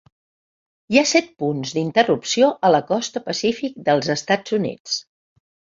Hi ha set punts d'interrupció a la costa del Pacífic dels Estats Units.